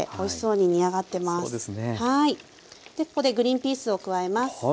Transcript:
ここでグリンピースを加えます。